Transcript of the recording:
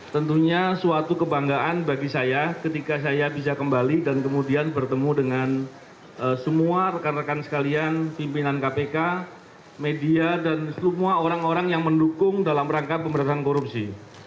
tentunya suatu kebanggaan bagi saya ketika saya bisa kembali dan kemudian bertemu dengan semua rekan rekan sekalian pimpinan kpk media dan semua orang orang yang mendukung dalam rangka pemberantasan korupsi